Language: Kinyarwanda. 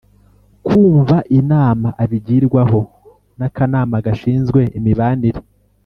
kumva inama abigirwaho n Akanama gashinzwe imibanire